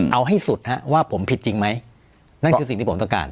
เอาให้สุดฮะว่าผมผิดจริงไหมนั่นคือสิ่งที่ผมต้องการ